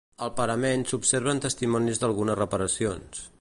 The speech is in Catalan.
Al parament s'observen testimonis d'algunes reparacions.